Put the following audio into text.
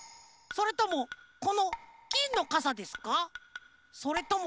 それともこのぎんのかさでしょうか？